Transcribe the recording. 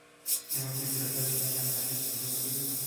ایا مصنوعي ځیرکتیا د انساني خلاقیت سیالي نه کوي؟